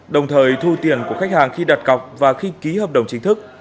đồng thời thu tiền của khách hàng khi đặt cọc và khi ký hợp đồng chính thức